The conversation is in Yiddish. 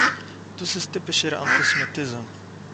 דאָס איז טיפּישער אַנטיסעמיטיזם